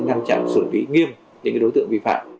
ngăn chặn sửa vĩ nghiêm những đối tượng vi phạm